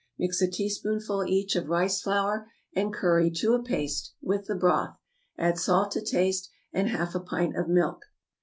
Mix a teaspoonful each of rice flour and curry to a paste, with the broth; add salt to taste, and half a pint of milk.